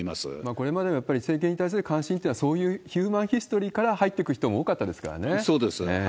これまでやっぱり政権に対する関心というのは、そういうヒューマンヒストリーから入っていく人も多かったですかそうです。